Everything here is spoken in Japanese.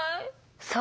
そう。